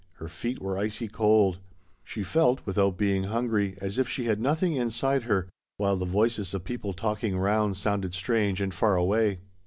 Her feet were icy cold ; she felt, with out being hungry, as if she had nothing in NEW HOPES. 121 side her, while the voices of people talking around sounded strange and far away.